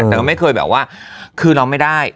แต่ก็ไม่เคยแบบว่าคือเราไม่ได้